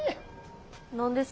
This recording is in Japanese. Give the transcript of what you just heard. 何ですか？